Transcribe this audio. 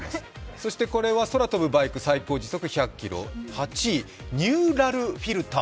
そしてこれは空飛ぶバイク、最高時速１００キロ８位、ニューラルフィルター。